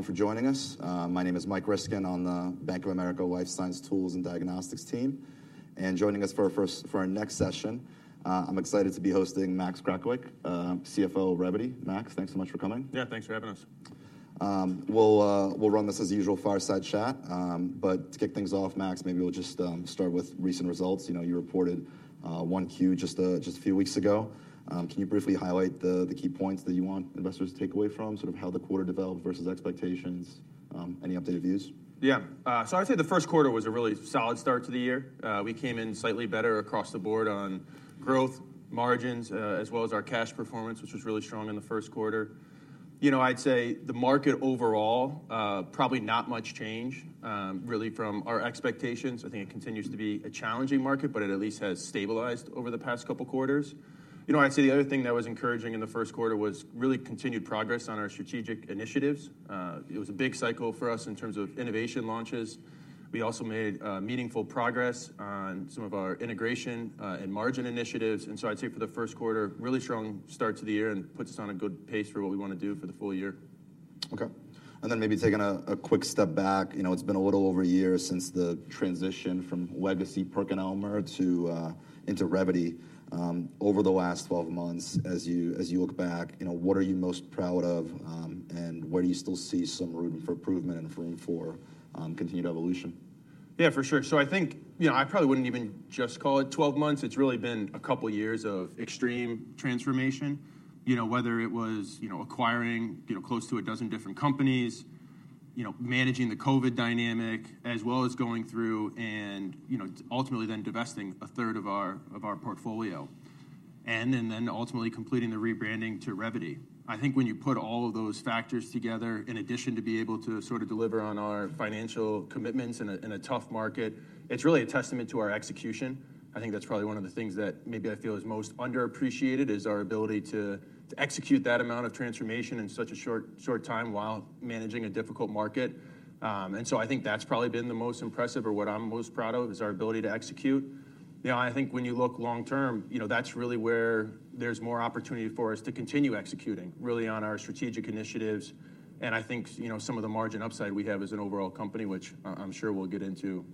Everyone for joining us. My name is Michael Ryskin on the Bank of America Life Science Tools and Diagnostics team. Joining us for our next session, I'm excited to be hosting Max Krakowiak, CFO of Revvity. Max, thanks so much for coming. Yeah, thanks for having us. We'll run this as usual, fireside chat. But to kick things off, Max, maybe we'll just start with recent results. You know, you reported 1Q just a few weeks ago. Can you briefly highlight the key points that you want investors to take away from? Sort of how the quarter developed versus expectations, any updated views? Yeah. So I'd say the first quarter was a really solid start to the year. We came in slightly better across the board on growth margins, as well as our cash performance, which was really strong in the first quarter. You know, I'd say the market overall, probably not much change, really from our expectations. I think it continues to be a challenging market, but it at least has stabilized over the past couple of quarters. You know, I'd say the other thing that was encouraging in the first quarter was really continued progress on our strategic initiatives. It was a big cycle for us in terms of innovation launches. We also made meaningful progress on some of our integration, and margin initiatives. And so I'd say for the first quarter, really strong start to the year and puts us on a good pace for what we want to do for the full year. Okay. And then maybe taking a quick step back, you know, it's been a little over a year since the transition from legacy PerkinElmer to into Revvity. Over the last 12 months, as you look back, you know, what are you most proud of, and where do you still see some room for improvement and room for continued evolution? Yeah, for sure. So I think, you know, I probably wouldn't even just call it 12 months. It's really been a couple of years of extreme transformation, you know, whether it was, you know, acquiring, you know, close to 12 different companies, you know, managing the COVID dynamic, as well as going through and, you know, ultimately then divesting a third of our, of our portfolio, and then, then ultimately completing the rebranding to Revvity. I think when you put all of those factors together, in addition to be able to sort of deliver on our financial commitments in a, in a tough market, it's really a testament to our execution. I think that's probably one of the things that maybe I feel is most underappreciated, is our ability to, to execute that amount of transformation in such a short, short time while managing a difficult market. And so I think that's probably been the most impressive or what I'm most proud of, is our ability to execute. You know, I think when you look long term, you know, that's really where there's more opportunity for us to continue executing, really on our strategic initiatives. And I think, you know, some of the margin upside we have as an overall company, which I, I'm sure we'll get into,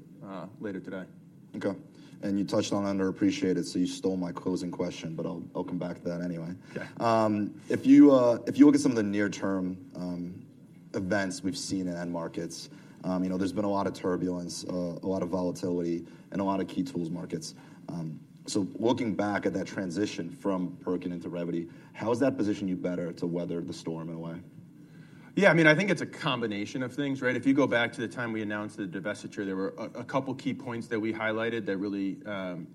later today. Okay. You touched on underappreciated, so you stole my closing question, but I'll, I'll come back to that anyway. Okay. If you look at some of the near-term events we've seen in end markets, you know, there's been a lot of turbulence, a lot of volatility and a lot of key tools markets. So looking back at that transition from PerkinElmer into Revvity, how has that positioned you better to weather the storm, in a way? Yeah, I mean, I think it's a combination of things, right? If you go back to the time we announced the divestiture, there were a couple key points that we highlighted that really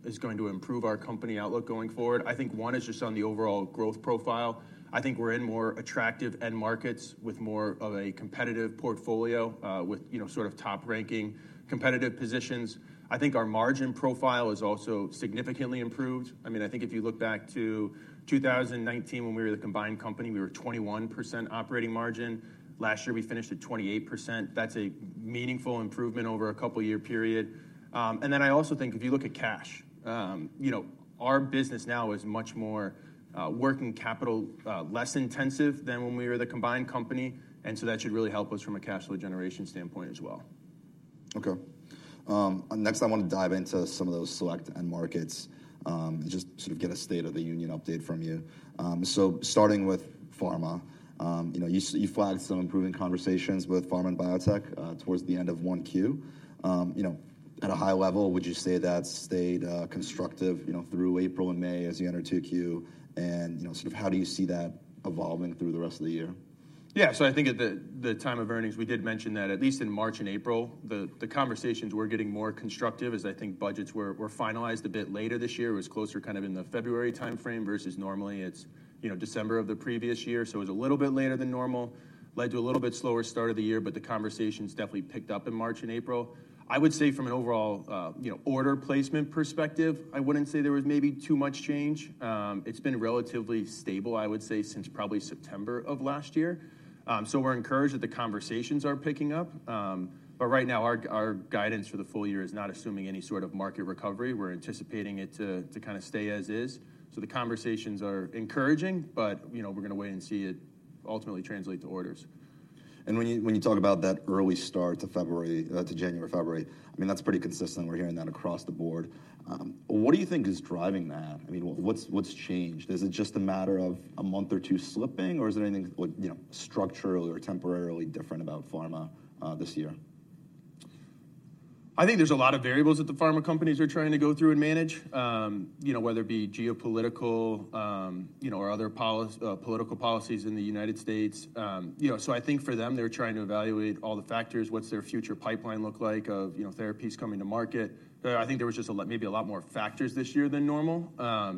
is going to improve our company outlook going forward. I think one is just on the overall growth profile. I think we're in more attractive end markets with more of a competitive portfolio, with, you know, sort of top-ranking competitive positions. I think our margin profile is also significantly improved. I mean, I think if you look back to 2019 when we were the combined company, we were 21% operating margin. Last year, we finished at 28%. That's a meaningful improvement over a couple year period. And then I also think if you look at cash, you know, our business now is much more working capital less intensive than when we were the combined company, and so that should really help us from a cash flow generation standpoint as well. Okay. Next, I want to dive into some of those select end markets, just sort of get a state of the union update from you. So starting with pharma, you know, you flagged some improving conversations with pharma and biotech, towards the end of 1Q. You know, at a high level, would you say that stayed, constructive, you know, through April and May as you enter 2Q? And, you know, sort of how do you see that evolving through the rest of the year? Yeah. So I think at the time of earnings, we did mention that at least in March and April, the conversations were getting more constructive, as I think budgets were finalized a bit later this year. It was closer kind of in the February timeframe, versus normally it's, you know, December of the previous year. So it was a little bit later than normal, led to a little bit slower start of the year, but the conversations definitely picked up in March and April. I would say from an overall, you know, order placement perspective, I wouldn't say there was maybe too much change. It's been relatively stable, I would say, since probably September of last year. So we're encouraged that the conversations are picking up. But right now, our guidance for the full year is not assuming any sort of market recovery. We're anticipating it to kind of stay as is. So the conversations are encouraging, but, you know, we're gonna wait and see it ultimately translate to orders. When you talk about that early start to January, February, I mean, that's pretty consistent. We're hearing that across the board. What do you think is driving that? I mean, what's changed? Is it just a matter of a month or two slipping, or is there anything, like, you know, structurally or temporarily different about pharma this year? I think there's a lot of variables that the pharma companies are trying to go through and manage. You know, whether it be geopolitical, you know, or other political policies in the United States. You know, so I think for them, they're trying to evaluate all the factors, what's their future pipeline look like of, you know, therapies coming to market. I think there was just a lot, maybe a lot more factors this year than normal.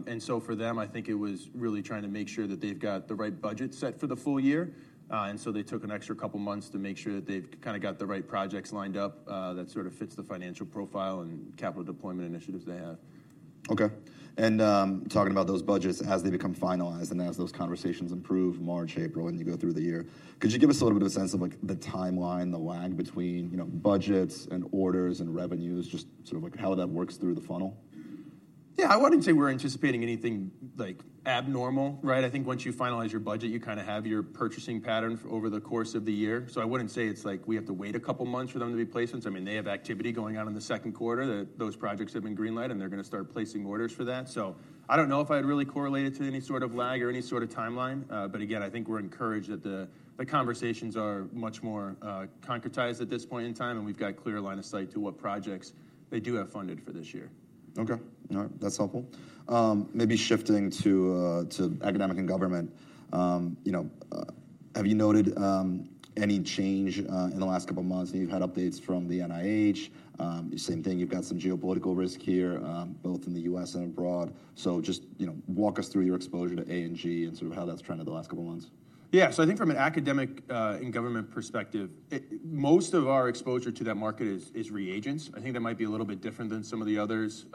And so for them, I think it was really trying to make sure that they've got the right budget set for the full year. And so they took an extra couple of months to make sure that they've kinda got the right projects lined up, that sort of fits the financial profile and capital deployment initiatives they have. Okay. And, talking about those budgets as they become finalized and as those conversations improve March, April, and you go through the year, could you give us a little bit of a sense of, like, the timeline, the lag between, you know, budgets and orders and revenues, just sort of like how that works through the funnel? ... Yeah, I wouldn't say we're anticipating anything like abnormal, right? I think once you finalize your budget, you kind of have your purchasing pattern for over the course of the year. So I wouldn't say it's like we have to wait a couple of months for them to be placements. I mean, they have activity going on in the second quarter, that those projects have been greenlit, and they're going to start placing orders for that. So I don't know if I'd really correlate it to any sort of lag or any sort of timeline. But again, I think we're encouraged that the conversations are much more concretized at this point in time, and we've got a clear line of sight to what projects they do have funded for this year. Okay. All right, that's helpful. Maybe shifting to academic and government. You know, have you noted any change in the last couple of months? You've had updates from the NIH. Same thing, you've got some geopolitical risk here, both in the U.S. and abroad. So just, you know, walk us through your exposure to A&G and sort of how that's trended the last couple of months. Yeah. So I think from an academic and government perspective, most of our exposure to that market is reagents. I think that might be a little bit different than some of the others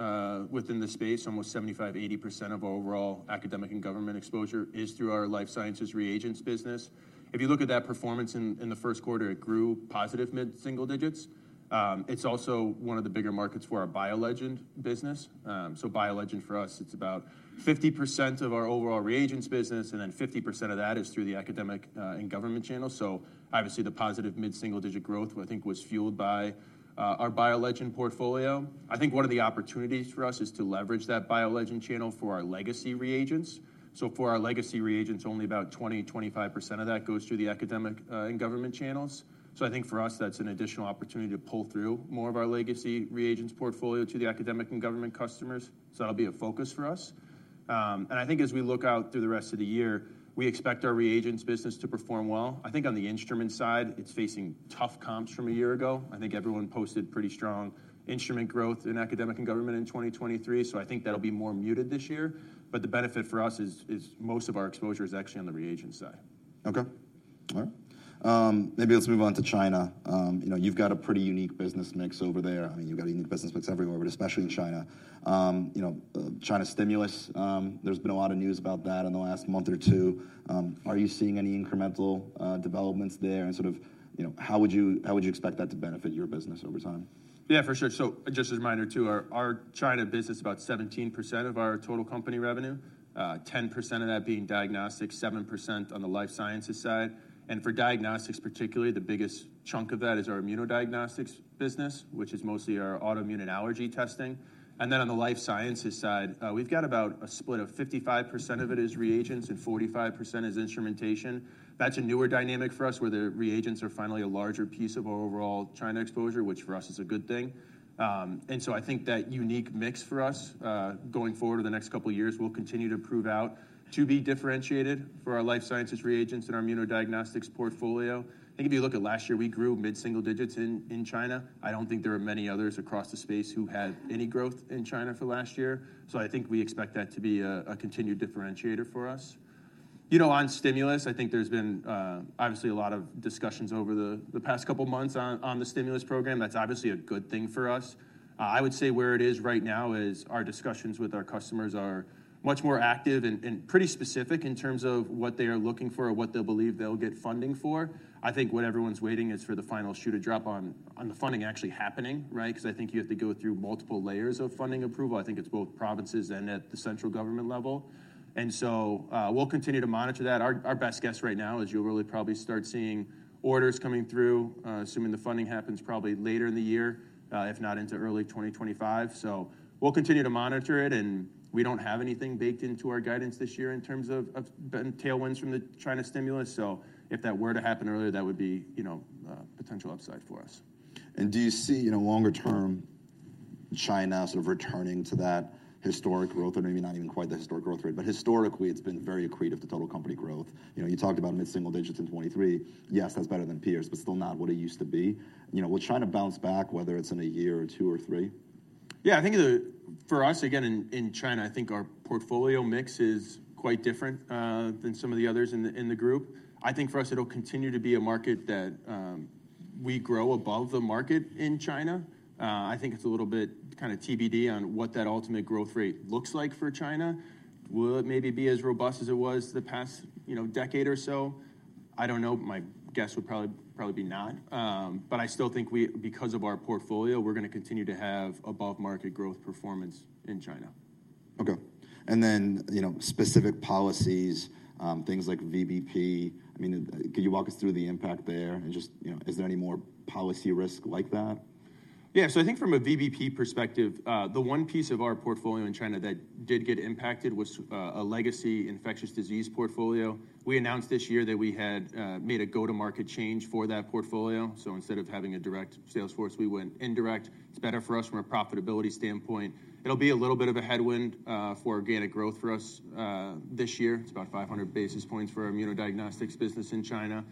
within the space. Almost 75%-80% of overall academic and government exposure is through our life sciences reagents business. If you look at that performance in the first quarter, it grew positive mid-single digits. It's also one of the bigger markets for our BioLegend business. So BioLegend, for us, it's about 50% of our overall reagents business, and then 50% of that is through the academic and government channel. So obviously, the positive mid-single-digit growth, I think, was fueled by our BioLegend portfolio. I think one of the opportunities for us is to leverage that BioLegend channel for our legacy reagents. So for our legacy reagents, only about 20-25% of that goes through the academic and government channels. So I think for us, that's an additional opportunity to pull through more of our legacy reagents portfolio to the academic and government customers. So that'll be a focus for us. And I think as we look out through the rest of the year, we expect our reagents business to perform well. I think on the instrument side, it's facing tough comps from a year ago. I think everyone posted pretty strong instrument growth in academic and government in 2023, so I think that'll be more muted this year. But the benefit for us is most of our exposure is actually on the reagents side. Okay. All right. Maybe let's move on to China. You know, you've got a pretty unique business mix over there. I mean, you've got a unique business mix everywhere, but especially in China. You know, China stimulus, there's been a lot of news about that in the last month or two. Are you seeing any incremental developments there? And sort of, you know, how would you, how would you expect that to benefit your business over time? Yeah, for sure. So just a reminder, too, our, our China business is about 17% of our total company revenue, 10% of that being diagnostics, 7% on the life sciences side. And for diagnostics, particularly, the biggest chunk of that is our immunodiagnostics business, which is mostly our autoimmune and allergy testing. And then on the life sciences side, we've got about a split of 55% of it is reagents and 45% is instrumentation. That's a newer dynamic for us, where the reagents are finally a larger piece of our overall China exposure, which for us is a good thing. And so I think that unique mix for us, going forward in the next couple of years, will continue to prove out to be differentiated for our life sciences reagents and our immunodiagnostics portfolio. I think if you look at last year, we grew mid-single digits in China. I don't think there are many others across the space who had any growth in China for last year. So I think we expect that to be a continued differentiator for us. You know, on stimulus, I think there's been obviously a lot of discussions over the past couple of months on the stimulus program. That's obviously a good thing for us. I would say where it is right now is our discussions with our customers are much more active and pretty specific in terms of what they are looking for or what they believe they'll get funding for. I think what everyone's waiting is for the final shoe to drop on the funding actually happening, right? Because I think you have to go through multiple layers of funding approval. I think it's both provinces and at the central government level. And so, we'll continue to monitor that. Our best guess right now is you'll really probably start seeing orders coming through, assuming the funding happens probably later in the year, if not into early 2025. So we'll continue to monitor it, and we don't have anything baked into our guidance this year in terms of, of the tailwinds from the China stimulus. So if that were to happen earlier, that would be, you know, a potential upside for us. Do you see, you know, longer term China sort of returning to that historic growth, or maybe not even quite the historic growth rate, but historically, it's been very accretive to total company growth. You know, you talked about mid-single digits in 2023. Yes, that's better than peers, but still not what it used to be. You know, will China bounce back, whether it's in a year or two or three? Yeah, I think for us, again, in China, I think our portfolio mix is quite different than some of the others in the group. I think for us, it'll continue to be a market that we grow above the market in China. I think it's a little bit kind of TBD on what that ultimate growth rate looks like for China. Will it maybe be as robust as it was the past, you know, decade or so? I don't know. My guess would probably be not. But I still think we because of our portfolio, we're gonna continue to have above-market growth performance in China. Okay. And then, you know, specific policies, things like VBP. I mean, could you walk us through the impact there? And just, you know, is there any more policy risk like that? Yeah. So I think from a VBP perspective, the one piece of our portfolio in China that did get impacted was a legacy infectious disease portfolio. We announced this year that we had made a go-to-market change for that portfolio. So instead of having a direct sales force, we went indirect. It's better for us from a profitability standpoint. It'll be a little bit of a headwind for organic growth for us this year. It's about 500 basis points for our immunodiagnostics business in China.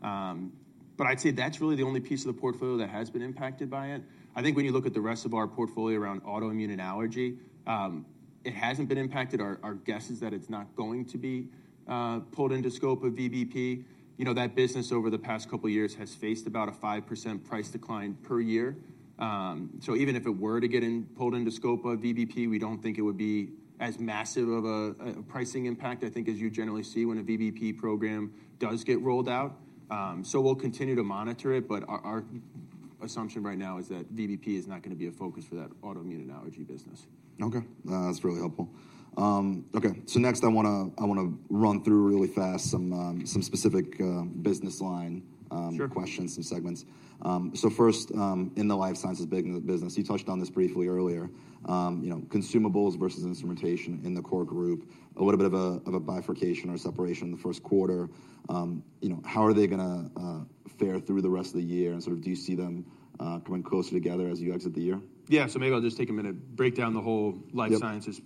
But I'd say that's really the only piece of the portfolio that has been impacted by it. I think when you look at the rest of our portfolio around autoimmune and allergy, it hasn't been impacted. Our guess is that it's not going to be pulled into scope of VBP. You know, that business over the past couple of years has faced about a 5% price decline per year. So even if it were to get pulled into scope of VBP, we don't think it would be as massive of a pricing impact, I think, as you generally see when a VBP program does get rolled out. So we'll continue to monitor it, but our assumption right now is that VBP is not going to be a focus for that autoimmune and allergy business. Okay, that's really helpful. Okay, so next I want to run through really fast some specific business line- Sure Questions and segments. So first, in the life sciences business, you touched on this briefly earlier, you know, consumables versus instrumentation in the core group. A little bit of a bifurcation or separation in the first quarter. You know, how are they gonna fare through the rest of the year? And sort of do you see them coming closer together as you exit the year? Yeah. So maybe I'll just take a minute, break down the whole- Yep Life sciences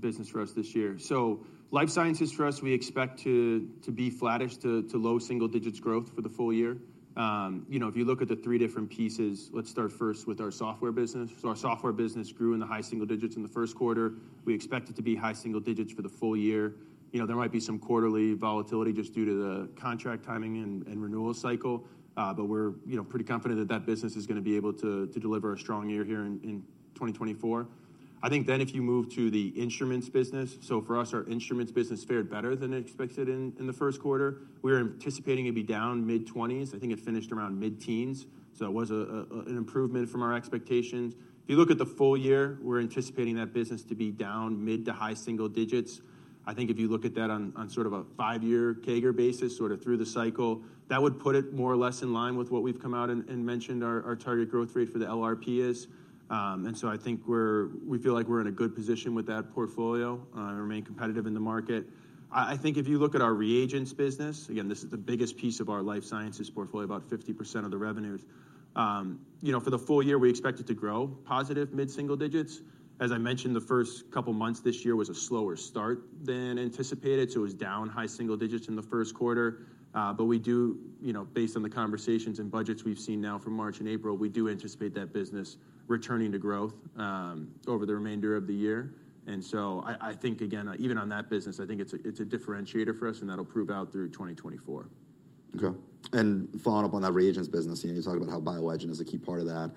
business for us this year. So life sciences for us, we expect to be flattish to low single digits growth for the full year. You know, if you look at the three different pieces, let's start first with our software business. So our software business grew in the high single digits in the first quarter. We expect it to be high single digits for the full year. You know, there might be some quarterly volatility just due to the contract timing and renewal cycle, but we're, you know, pretty confident that that business is going to be able to deliver a strong year here in 2024. I think then if you move to the instruments business, so for us, our instruments business fared better than expected in the first quarter. We were anticipating it'd be down mid-20s. I think it finished around mid-teens, so it was an improvement from our expectations. If you look at the full year, we're anticipating that business to be down mid- to high-single digits. I think if you look at that on sort of a 5-year CAGR basis, sort of through the cycle, that would put it more or less in line with what we've come out and mentioned our target growth rate for the LRP is. And so I think we're, we feel like we're in a good position with that portfolio and remain competitive in the market. I think if you look at our reagents business, again, this is the biggest piece of our life sciences portfolio, about 50% of the revenues. You know, for the full year, we expect it to grow positive mid-single digits. As I mentioned, the first couple of months this year was a slower start than anticipated, so it was down high single digits in the first quarter. But we do, you know, based on the conversations and budgets we've seen now from March and April, we do anticipate that business returning to growth over the remainder of the year. And so I, I think, again, even on that business, I think it's a, it's a differentiator for us, and that'll prove out through 2024. Okay. And following up on that reagents business, you know, you talk about how BioLegend is a key part of that.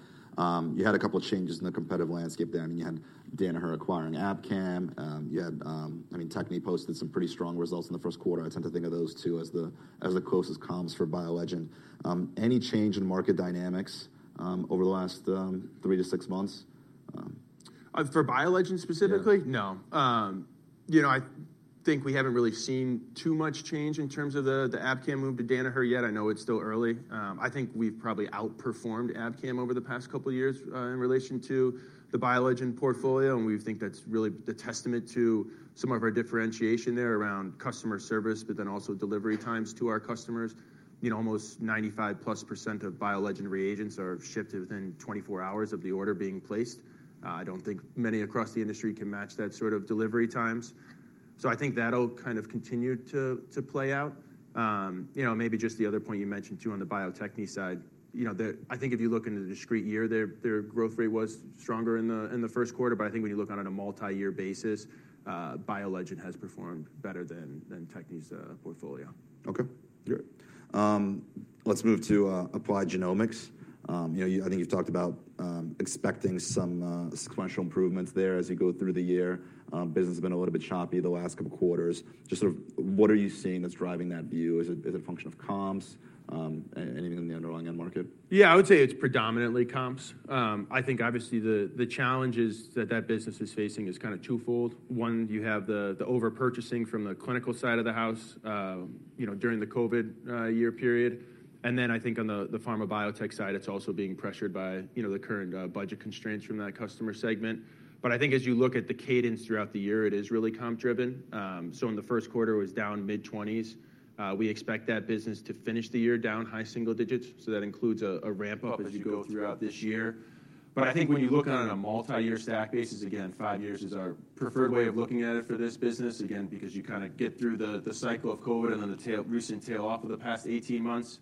You had a couple of changes in the competitive landscape there, and you had Danaher acquiring Abcam. I mean, Techne posted some pretty strong results in the first quarter. I tend to think of those two as the, as the closest comps for BioLegend. Any change in market dynamics over the last three to six months? For BioLegend specifically? Yeah. No. You know, I think we haven't really seen too much change in terms of the, the Abcam move to Danaher yet. I know it's still early. I think we've probably outperformed Abcam over the past couple of years, in relation to the BioLegend portfolio, and we think that's really the testament to some of our differentiation there around customer service, but then also delivery times to our customers. You know, almost 95%+ of BioLegend reagents are shipped within 24 hours of the order being placed. I don't think many across the industry can match that sort of delivery times. So I think that'll kind of continue to, to play out. You know, maybe just the other point you mentioned, too, on the Bio-Techne side, you know, I think if you look into the discrete year, their growth rate was stronger in the first quarter. But I think when you look on it a multi-year basis, BioLegend has performed better than Techne's portfolio. Okay, great. Let's move to applied genomics. You know, you I think you've talked about expecting some sequential improvements there as you go through the year. Business has been a little bit choppy the last couple of quarters. Just sort of what are you seeing that's driving that view? Is it a function of comps? Anything in the underlying end market? Yeah, I would say it's predominantly comps. I think obviously the challenges that that business is facing is kind of twofold. One, you have the overpurchasing from the clinical side of the house, you know, during the COVID year period. And then I think on the pharma biotech side, it's also being pressured by, you know, the current budget constraints from that customer segment. But I think as you look at the cadence throughout the year, it is really comp driven. So in the first quarter, it was down mid-20s. We expect that business to finish the year down high single digits, so that includes a ramp-up as you go throughout this year. But I think when you look on a multi-year stack basis, again, five years is our preferred way of looking at it for this business. Again, because you kind of get through the, the cycle of COVID and then the recent tail off of the past 18 months.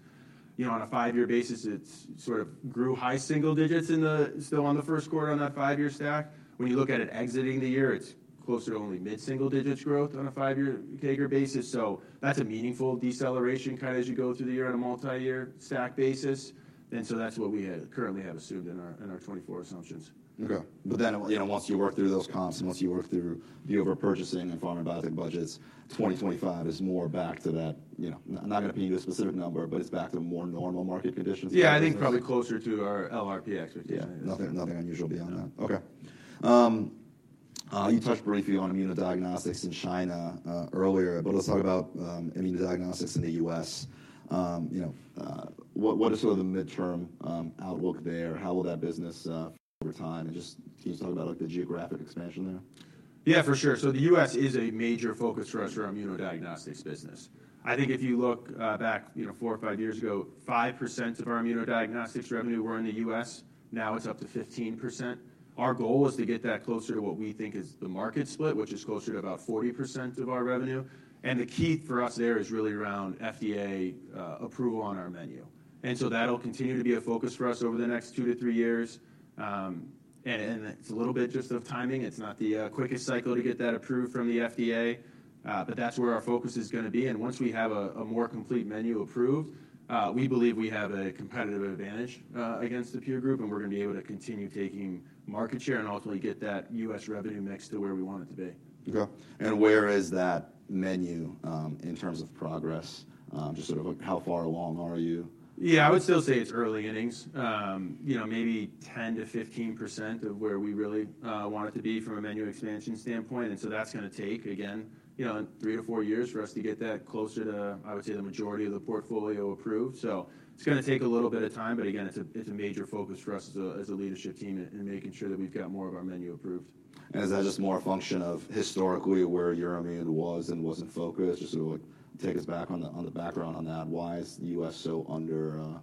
You know, on a five-year basis, it's sort of grew high single digits in the still on the first quarter on that five-year stack. When you look at it exiting the year, it's closer to only mid-single digits growth on a five-year CAGR basis. So that's a meaningful deceleration, kind of as you go through the year on a multi-year stack basis. And so that's what we currently have assumed in our, in our 2024 assumptions. Okay. But then, you know, once you work through those comps, and once you work through the overpurchasing and pharma biotech budgets, 2025 is more back to that, you know, I'm not going to pin you to a specific number, but it's back to more normal market conditions. Yeah, I think probably closer to our LRP expectation. Yeah. Nothing, nothing unusual beyond that. Okay. You touched briefly on immunodiagnostics in China earlier, but let's talk about immunodiagnostics in the U.S. You know, what is sort of the midterm outlook there? How will that business over time, and just can you talk about, like, the geographic expansion there? Yeah, for sure. So the U.S. is a major focus for us for our immunodiagnostics business. I think if you look back, you know, 4 or 5 years ago, 5% of our immunodiagnostics revenue were in the U.S. Now it's up to 15%. Our goal is to get that closer to what we think is the market split, which is closer to about 40% of our revenue. And the key for us there is really around FDA approval on our menu. And so that'll continue to be a focus for us over the next 2-3 years. And it's a little bit just of timing. It's not the quickest cycle to get that approved from the FDA, but that's where our focus is gonna be. Once we have a more complete menu approved, we believe we have a competitive advantage against the peer group, and we're gonna be able to continue taking market share and ultimately get that U.S. revenue mix to where we want it to be. Okay. Where is that menu, in terms of progress? Just sort of like, how far along are you? Yeah, I would still say it's early innings. You know, maybe 10%-15% of where we really want it to be from a menu expansion standpoint, and so that's gonna take again, you know, 3-4 years for us to get that closer to, I would say, the majority of the portfolio approved. So it's gonna take a little bit of time, but again, it's a, it's a major focus for us as a, as a leadership team in, in making sure that we've got more of our menu approved. Is that just more a function of historically where EUROIMMUN was and wasn't focused? Just so, like, take us back on the background on that. Why is the U.S. so underpenetrated?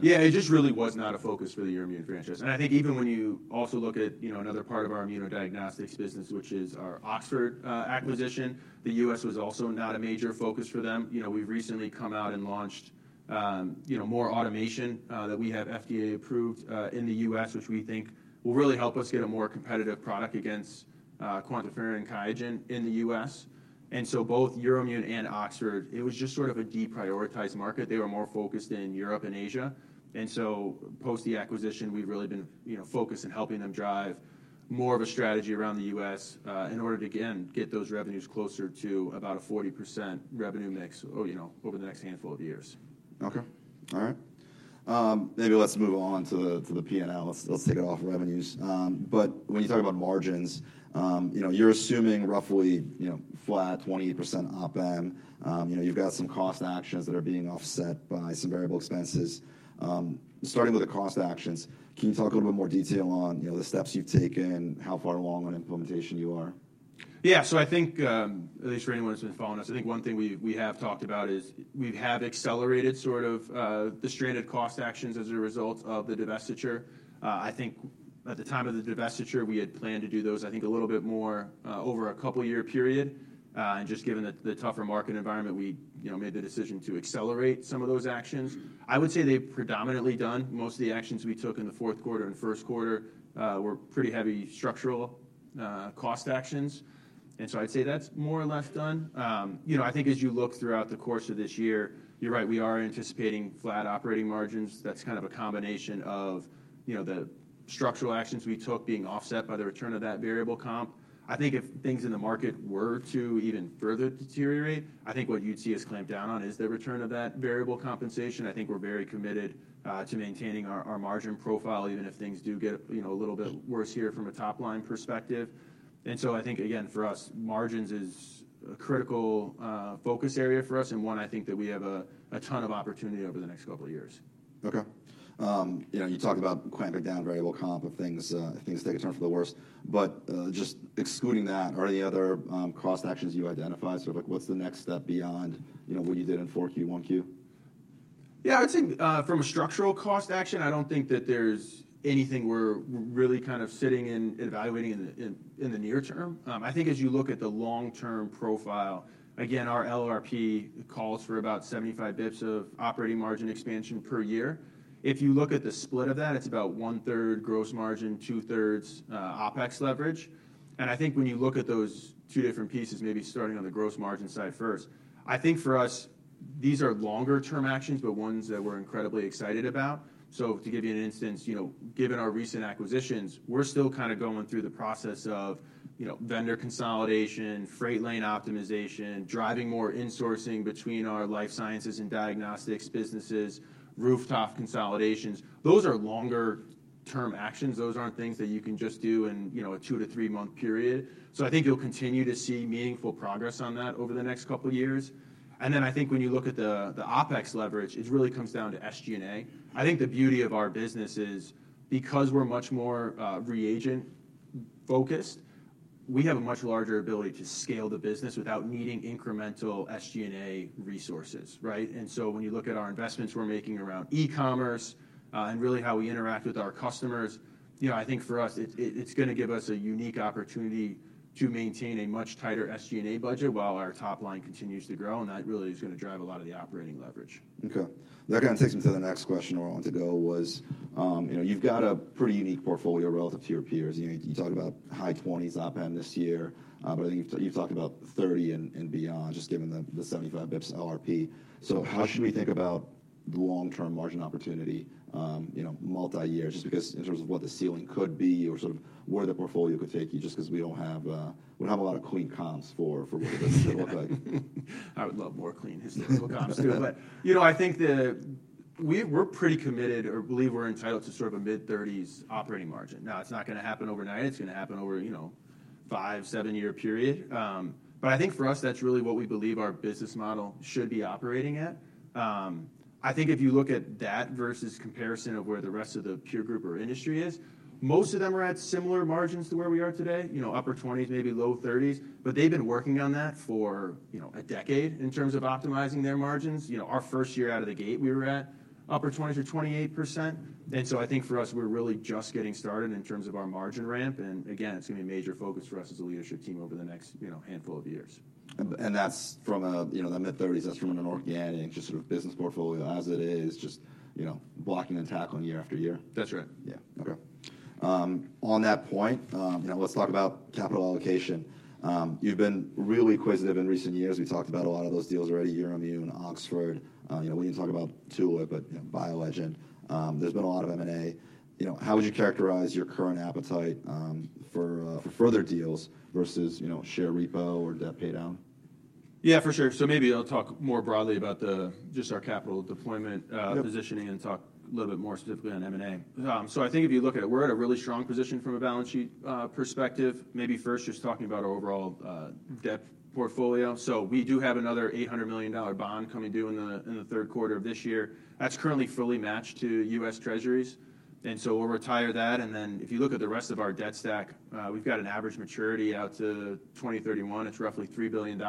Yeah, it just really was not a focus for the EUROIMMUN franchise. And I think even when you also look at, you know, another part of our immunodiagnostics business, which is our Oxford acquisition, the U.S. was also not a major focus for them. You know, we've recently come out and launched, you know, more automation that we have FDA approved in the U.S., which we think will really help us get a more competitive product against QuantiFERON and QIAGEN in the U.S. And so both EUROIMMUN and Oxford, it was just sort of a deprioritized market. They were more focused in Europe and Asia. So post the acquisition, we've really been, you know, focused in helping them drive more of a strategy around the U.S., in order to, again, get those revenues closer to about a 40% revenue mix, you know, over the next handful of years. Okay. All right. Maybe let's move on to the, to the P&L. Let's take it off revenues. But when you talk about margins, you know, you're assuming roughly, you know, flat, 20% OpEx. You know, you've got some cost actions that are being offset by some variable expenses. Starting with the cost actions, can you talk a little bit more detail on, you know, the steps you've taken, how far along on implementation you are? Yeah. So I think, at least for anyone who's been following us, I think one thing we have talked about is we have accelerated sort of the stranded cost actions as a result of the divestiture. I think at the time of the divestiture, we had planned to do those, I think, a little bit more over a couple-year period. And just given the tougher market environment, we, you know, made the decision to accelerate some of those actions. I would say they've predominantly done. Most of the actions we took in the fourth quarter and first quarter were pretty heavy structural cost actions, and so I'd say that's more or less done. You know, I think as you look throughout the course of this year, you're right, we are anticipating flat operating margins. That's kind of a combination of, you know, the structural actions we took being offset by the return of that variable comp. I think if things in the market were to even further deteriorate, I think what you'd see us clamp down on is the return of that variable compensation. I think we're very committed to maintaining our margin profile, even if things do get, you know, a little bit worse here from a top-line perspective. And so I think, again, for us, margins is a critical focus area for us, and one, I think that we have a ton of opportunity over the next couple of years. Okay. You know, you talked about clamping down variable comp if things, if things take a turn for the worse, but, just excluding that, are there any other cost actions you identified? Sort of like, what's the next step beyond, you know, what you did in 4Q, 1Q? Yeah, I'd think, from a structural cost action, I don't think that there's anything we're really kind of sitting and evaluating in the near term. I think as you look at the long-term profile, again, our LRP calls for about 75 basis points of operating margin expansion per year. If you look at the split of that, it's about one-third gross margin, two-thirds OpEx leverage. And I think when you look at those two different pieces, maybe starting on the gross margin side first, I think for us, these are longer-term actions, but ones that we're incredibly excited about. So to give you an instance, you know, given our recent acquisitions, we're still kind of going through the process of, you know, vendor consolidation, freight lane optimization, driving more insourcing between our life sciences and diagnostics businesses, rooftop consolidations. Those are longer term actions. Those aren't things that you can just do in, you know, a 2- to 3-month period. So I think you'll continue to see meaningful progress on that over the next couple of years. And then I think when you look at the, the OpEx leverage, it really comes down to SG&A. I think the beauty of our business is because we're much more, reagent-focused, we have a much larger ability to scale the business without needing incremental SG&A resources, right? And so when you look at our investments we're making around e-commerce, and really how we interact with our customers, you know, I think for us, it's, it's gonna give us a unique opportunity to maintain a much tighter SG&A budget while our top line continues to grow, and that really is gonna drive a lot of the operating leverage. Okay. That kind of takes me to the next question where I want to go was, you know, you've got a pretty unique portfolio relative to your peers. You know, you talk about high 20s OpEx this year, but I think you've talked about 30 and beyond, just given the 75 bps LRP. So how should we think about the long-term margin opportunity, you know, multi-year, just because in terms of what the ceiling could be or sort of where the portfolio could take you, just because we don't have a lot of clean comps for what this could look like? I would love more clean historical comps too. But you know, I think we're pretty committed or believe we're entitled to sort of a mid-30s operating margin. Now, it's not gonna happen overnight. It's gonna happen over, you know, 5-7-year period. But I think for us, that's really what we believe our business model should be operating at. I think if you look at that versus comparison of where the rest of the peer group or industry is, most of them are at similar margins to where we are today, you know, upper 20s, maybe low 30s, but they've been working on that for, you know, a decade in terms of optimizing their margins. You know, our first year out of the gate, we were at upper 20%-28%. And so I think for us, we're really just getting started in terms of our margin ramp, and again, it's gonna be a major focus for us as a leadership team over the next, you know, handful of years. And that's from a, you know, the mid-thirties, that's from an organic, just sort of business portfolio as it is, just, you know, blocking and tackling year after year? That's right. Yeah. Okay. On that point, you know, let's talk about capital allocation. You've been really acquisitive in recent years. We talked about a lot of those deals already, EUROIMMUN, Oxford, you know, we didn't talk about Tulip, but, you know, BioLegend, there's been a lot of M&A. You know, how would you characterize your current appetite for further deals versus, you know, share repo or debt pay down? Yeah, for sure. So maybe I'll talk more broadly about just our capital deployment. Yep ...positioning, and talk a little bit more specifically on M&A. So I think if you look at it, we're at a really strong position from a balance sheet perspective. Maybe first, just talking about our overall debt portfolio. So we do have another $800 million bond coming due in the third quarter of this year. That's currently fully matched to U.S. Treasuries, and so we'll retire that. And then, if you look at the rest of our debt stack, we've got an average maturity out to 2031. It's roughly $3 billion. That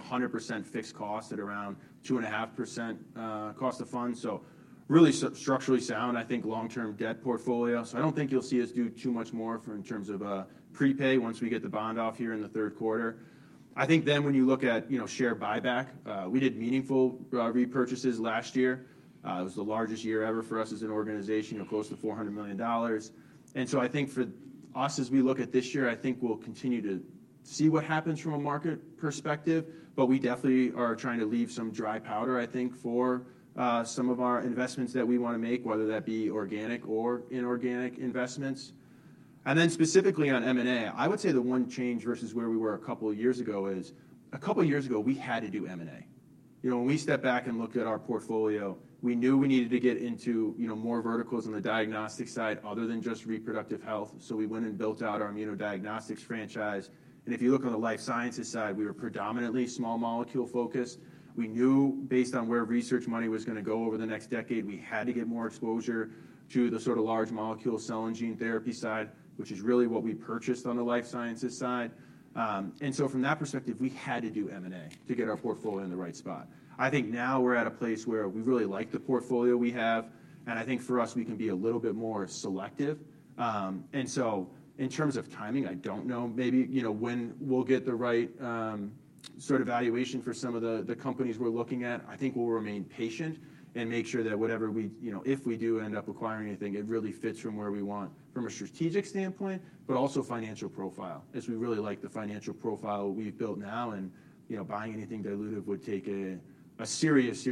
100% fixed cost at around 2.5% cost of funds. So really structurally sound, I think, long-term debt portfolio. So I don't think you'll see us do too much more for, in terms of, prepay once we get the bond off here in the third quarter. I think then when you look at, you know, share buyback, we did meaningful repurchases last year. It was the largest year ever for us as an organization, you know, close to $400 million. And so I think for us, as we look at this year, I think we'll continue to see what happens from a market perspective, but we definitely are trying to leave some dry powder, I think, for some of our investments that we wanna make, whether that be organic or inorganic investments. Then specifically on M&A, I would say the one change versus where we were a couple of years ago is, a couple of years ago, we had to do M&A. You know, when we stepped back and looked at our portfolio, we knew we needed to get into, you know, more verticals on the diagnostic side other than just reproductive health, so we went and built out our immunodiagnostics franchise. If you look on the life sciences side, we were predominantly small molecule focused. We knew based on where research money was gonna go over the next decade, we had to get more exposure to the sort of large molecule cell and gene therapy side, which is really what we purchased on the life sciences side. So from that perspective, we had to do M&A to get our portfolio in the right spot. I think now we're at a place where we really like the portfolio we have, and I think for us, we can be a little bit more selective. And so in terms of timing, I don't know. Maybe, you know, when we'll get the right, sort of valuation for some of the companies we're looking at, I think we'll remain patient and make sure that whatever we-- you know, if we do end up acquiring anything, it really fits from where we want from a strategic standpoint, but also financial profile, as we really like the financial profile we've built now. And, you know, buying anything dilutive would take a serious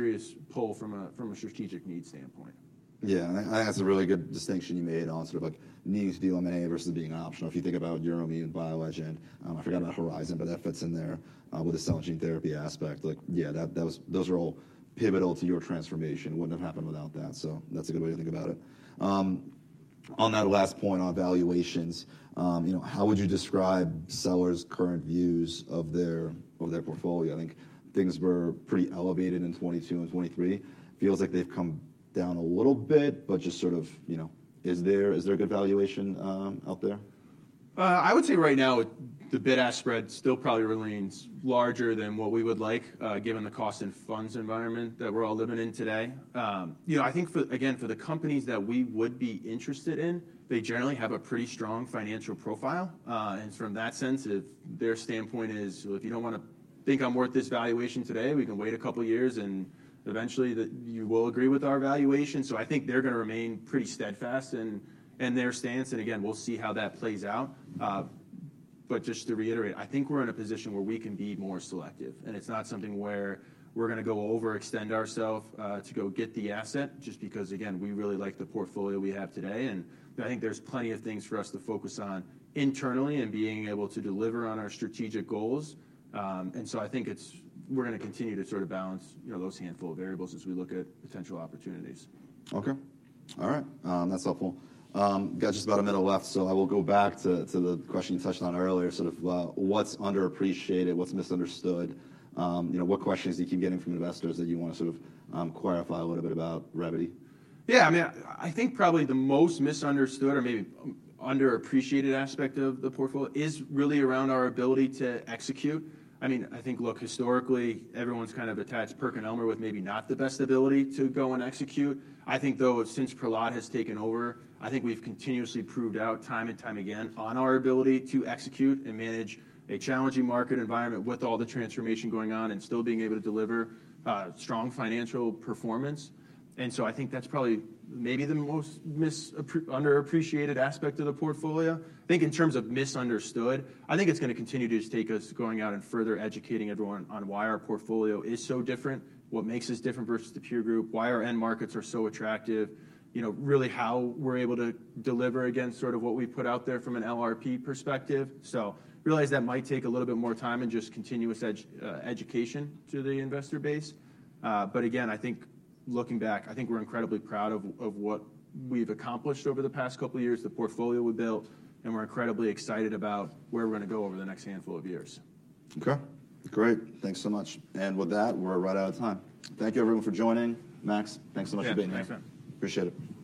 pull from a strategic need standpoint. Yeah, I think that's a really good distinction you made on sort of, like, needing to do M&A versus it being optional. If you think about EUROIMMUN, BioLegend, I forgot about Horizon, but that fits in there, with the cell and gene therapy aspect. Like, yeah, those are all pivotal to your transformation. Wouldn't have happened without that, so that's a good way to think about it. On that last point on valuations, you know, how would you describe sellers' current views of their, of their portfolio? I think things were pretty elevated in 2022 and 2023. Feels like they've come down a little bit, but just sort of, you know, is there, is there a good valuation out there? I would say right now, the bid-ask spread still probably remains larger than what we would like, given the cost of funds environment that we're all living in today. You know, I think for, again, for the companies that we would be interested in, they generally have a pretty strong financial profile. And from that sense, if their standpoint is, "Well, if you don't wanna think I'm worth this valuation today, we can wait a couple of years, and eventually, you will agree with our valuation." So I think they're gonna remain pretty steadfast in their stance, and again, we'll see how that plays out. But just to reiterate, I think we're in a position where we can be more selective, and it's not something where we're gonna go overextend ourself to go get the asset, just because, again, we really like the portfolio we have today. And I think there's plenty of things for us to focus on internally and being able to deliver on our strategic goals. And so I think we're gonna continue to sort of balance, you know, those handful of variables as we look at potential opportunities. Okay. All right, that's helpful. Got just about a minute left, so I will go back to the question you touched on earlier, sort of, what's underappreciated, what's misunderstood? You know, what questions do you keep getting from investors that you wanna sort of, clarify a little bit about Revvity? Yeah, I mean, I think probably the most misunderstood or maybe underappreciated aspect of the portfolio is really around our ability to execute. I mean, I think, look, historically, everyone's kind of attached PerkinElmer with maybe not the best ability to go and execute. I think, though, since Prahlad has taken over, I think we've continuously proved out time and time again on our ability to execute and manage a challenging market environment with all the transformation going on and still being able to deliver strong financial performance. And so I think that's probably maybe the most underappreciated aspect of the portfolio. I think in terms of misunderstood, I think it's gonna continue to just take us going out and further educating everyone on why our portfolio is so different, what makes us different versus the peer group, why our end markets are so attractive, you know, really how we're able to deliver against sort of what we put out there from an LRP perspective. So realize that might take a little bit more time and just continuous education to the investor base. But again, I think looking back, I think we're incredibly proud of what we've accomplished over the past couple of years, the portfolio we've built, and we're incredibly excited about where we're gonna go over the next handful of years. Okay, great. Thanks so much. With that, we're right out of time. Thank you, everyone, for joining. Max, thanks so much for being here. Yeah, thanks, man. Appreciate it.